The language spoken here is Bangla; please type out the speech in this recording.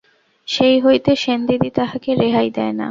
সেই হইতে সেনদিদি তাহাকে রেহাই দেয় না।